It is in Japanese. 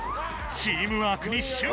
チームワークに集中だ！